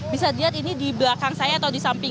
bisa dilihat ini di belakang saya atau di samping